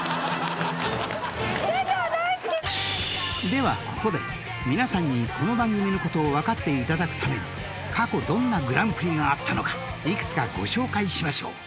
［ではここで皆さんにこの番組のことを分かっていただくために過去どんなグランプリがあったのかいくつかご紹介しましょう］